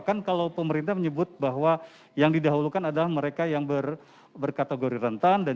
kan kalau pemerintah menyebut bahwa yang didahulukan adalah mereka yang berkategori rentan